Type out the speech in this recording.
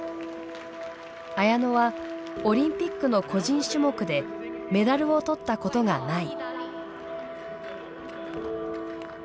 綾乃はオリンピックの個人種目でメダルをとったことがない。